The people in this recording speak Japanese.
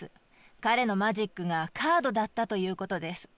彼のマジックがカードだったということです。